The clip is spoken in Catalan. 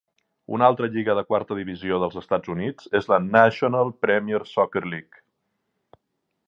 Una altra lliga de quarta divisió dels Estats Units és la National Premier Soccer League.